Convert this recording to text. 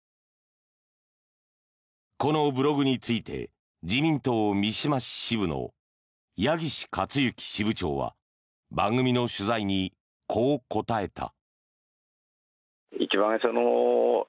このブログについて自民党三島市支部の矢岸克行支部長は番組の取材にこう答えた。